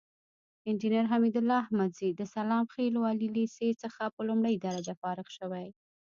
انجينر حميدالله احمدزى د سلام خيلو عالي ليسې څخه په لومړۍ درجه فارغ شوى.